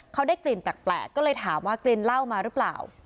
เขาได้กลิ่นแปลกก็เลยถามว่ากลิ่นเหล้ามาหรือเปล่า